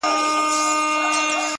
دا ته څنګه راپسې وې په تیاره کي،